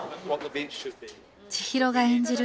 千尋が演じる